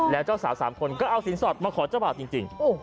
แล้วเจ้าสาว๓คนก็เอาสินสอดมาขอเจ้าบ่าวจริง